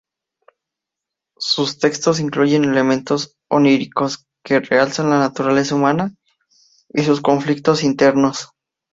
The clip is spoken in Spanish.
Sus textos incluyen elementos oníricos que realzan la naturaleza humana y sus conflictos internos.